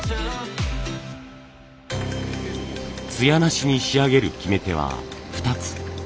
艶なしに仕上げる決め手は２つ。